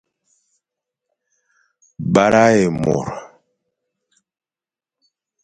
Bara ye môr.